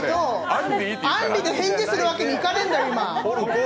あんりで返事するわけにいかないんだよ！